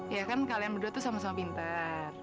iya kan kalian berdua tuh sama sama pinter